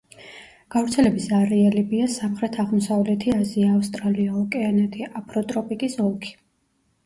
გავრცელების არეალებია სამხრეთ-აღმოსავლეთი აზია, ავსტრალია, ოკეანეთი, აფროტროპიკის ოლქი.